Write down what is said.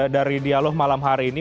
dari dialog malam hari ini